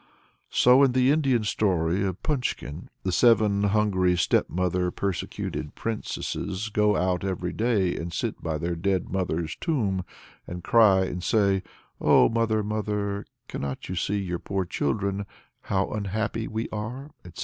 So in the Indian story of Punchkin, the seven hungry stepmother persecuted princesses go out every day and sit by their dead mother's tomb, and cry, and say, "Oh, mother, mother, cannot you see your poor children, how unhappy we are," etc.